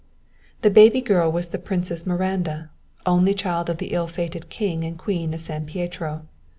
"The baby girl was the Princess Miranda, only child of the ill fated king and queen of San Pietro.